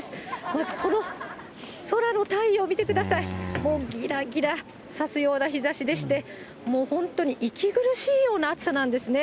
まずこの空の太陽見てください、もうぎらぎら、刺すような日ざしでして、もう本当に息苦しいような暑さなんですね。